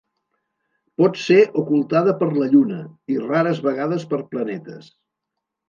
Pot ser ocultada per la Lluna i rares vegades per planetes.